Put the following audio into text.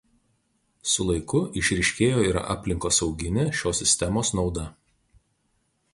Su laiku išryškėjo ir aplinkosauginė šios sistemos nauda.